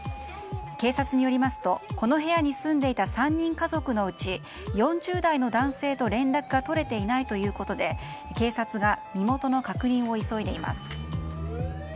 警察によりますと、この部屋に住んでいた３人家族のうち４０代の男性と連絡が取れていないということで警察が身元の確認を急いでいます。